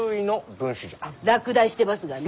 落第してますがね。